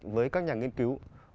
với các nhà nghiên cứu